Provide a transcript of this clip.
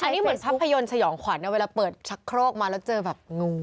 อันนี้เหมือนภาพยนตร์สยองขวัญนะเวลาเปิดชักโครกมาแล้วเจอแบบงู